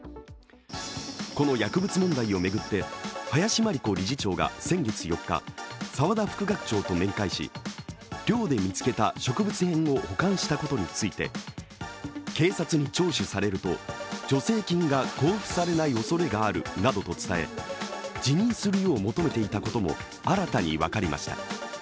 この薬物問題を巡って林真理子理事長が先月４日、澤田副学長と面会し寮で見つけた植物片を保管したことについて警察に聴取されると助成金が交付されないおそれがあるなどと伝え、辞任するよう求めていたことも新たに分かりました。